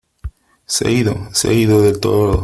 ¡ Se ha ido ! Se ha ido del todo .